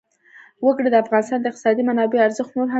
وګړي د افغانستان د اقتصادي منابعو ارزښت نور هم زیاتوي.